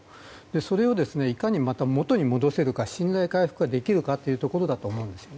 それをいかにまた元に戻せるか信頼回復ができるかというところだと思うんです。